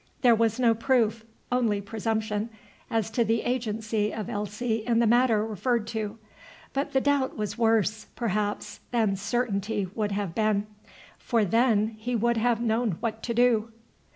There was no proof, only presumption, as to the agency of Elsie in the matter referred to. But the doubt was worse, perhaps, than certainty would have been, for then he would have known what to do.